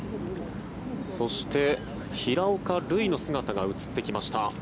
そして、平岡瑠依の姿が映ってきました。